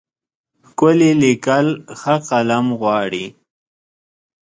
ښکلي لیکل ښه قلم غواړي.